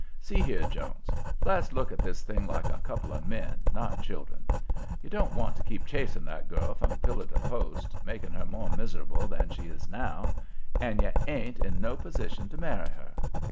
See here, Jones; let's look at this thing like a couple of men, not children. You don't want to keep chasing that girl from pillar to post, making her more miserable than she is now. And you ain't in no position to marry her.